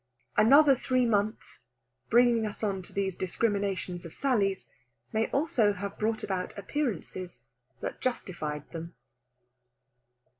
Another three months, bringing us on to these discriminations of Sally's, may also have brought about appearances that justified them.